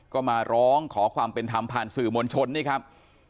ก็มาร้องขอความเป็นธรรมผ่านสื่อมวลชนนี่ครับ